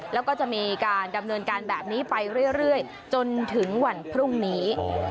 แล้วก็จะมีการดำเนินการแบบนี้ไปเรื่อยจนถึงวันพรุ่งนี้